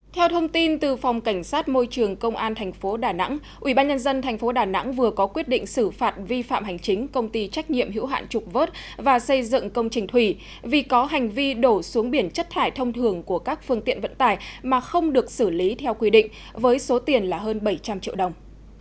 theo thông tin từ phòng cảnh sát môi trường công an tp đà nẵng ubnd tp đà nẵng vừa có quyết định xử phạt vi phạm hành chính công ty trách nhiệm hữu hạn trục vớt và xây dựng công trình thủy vì có hành vi đổ xuống biển chất thải thông thường của các phương tiện vận tải mà không được xử lý theo quy định với số tiền là hơn bảy trăm linh triệu đồng